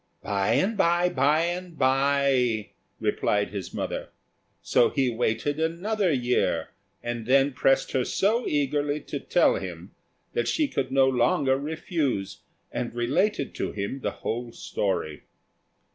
"By and by, by and by," replied his mother; so he waited another year, and then pressed her so eagerly to tell him that she could no longer refuse, and related to him the whole story.